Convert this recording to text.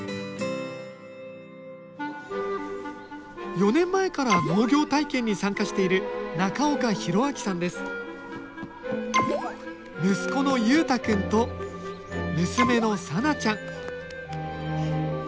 ４年前から農業体験に参加している息子の優太くんと娘の紗菜ちゃん